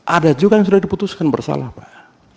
ada juga yang sudah diputuskan bersalah pak